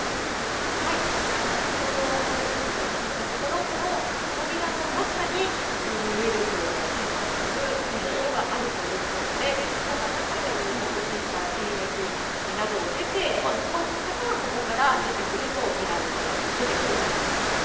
先ほど関係者から聞いたところ、この扉の中にウイルスの検査をする検疫所があるということで、この中で入国審査、検疫などを経て、一般の方がここから出てくると見られて、出てくる場所なんですね。